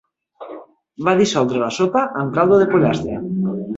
Va dissoldre la sopa amb caldo de pollastre.